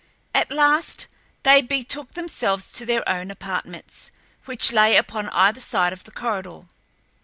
At last they betook themselves to their own apartments, which lay upon either side of the corridor.